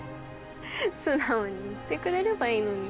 素直に言ってくれればいいのに。